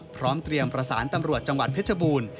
พร้อมเตรียมประสานตำรวจจังหวัดเพชรบูรณ์